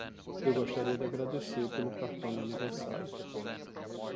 Eu gostaria de agradecer pelo cartão de aniversário.